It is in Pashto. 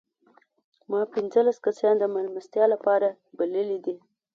ما پنځلس کسان د مېلمستیا لپاره بللي دي.